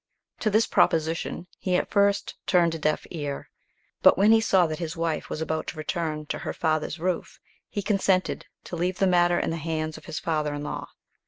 To this proposition he at first turned a deaf ear; but when he saw that his wife was about to return to her father's roof, he consented to leave the matter in the hands of his father in law.